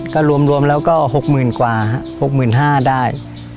ก็รวมแล้วก็หกหมื่นกว่าหกหมื่นห้าได้